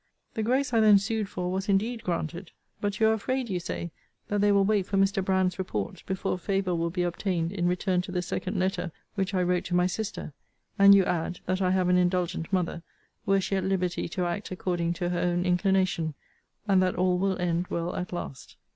The grace I then sued for was indeed granted; but you are afraid, you say, that they will wait for Mr. Brand's report, before favour will be obtained in return to the second letter which I wrote to my sister; and you add, that I have an indulgent mother, were she at liberty to act according to her own inclination; and that all will end well at last.